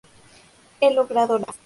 He logrado la paz.